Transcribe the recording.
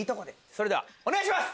それではお願いします。